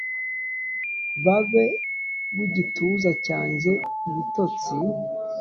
babe w'igituza cyanjye, ibitotsi!